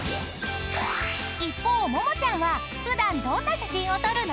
［一方ももちゃんは普段どんな写真を撮るの？］